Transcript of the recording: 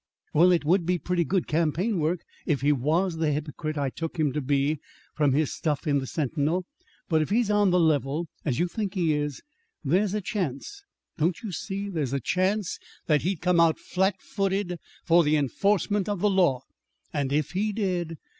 "Well, it would be pretty good campaign work if he was the hypocrite I took him to be, from his stuff in the Sentinel. But if he's on the level, as you think he is, there's a chance don't you see there's a chance that he'd come out flat footed for the enforcement of the law? And if he did!...